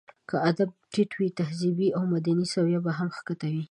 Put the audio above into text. که ادب ټيت وي، تهذيبي او مدني سويه به هم ښکته وي.